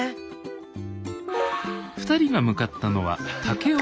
２人が向かったのは武雄温泉。